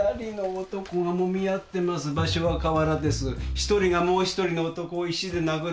１人がもう１人の男を石で殴る。